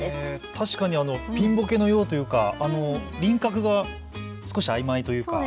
確かにピンぼけのようというか輪郭が少し曖昧というか。